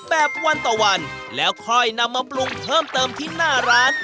แบบวันต่อวันแล้วค่อยนำมาปรุงเพิ่มเติมที่หน้าร้าน